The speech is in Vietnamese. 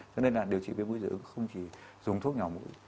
cho nên là điều trị viêm mũi dị ứng không chỉ dùng thuốc nhỏ mũi